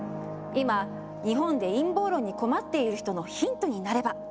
今日本で陰謀論に困っている人のヒントになれば！